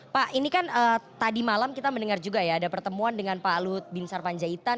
pak ini kan tadi malam kita mendengar juga ya ada pertemuan dengan pak lut bin sarpanjaitan